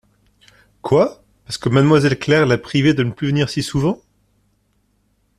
Quoi ! parce que mademoiselle Claire l'a prié de ne plus venir si souvent ?